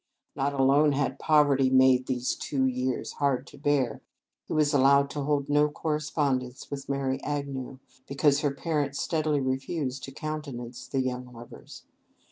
Not alone had poverty made these two years hard to bear. He was allowed to hold no correspondence with Mary Agnew, because her parents steadily refused to countenance the young lovers.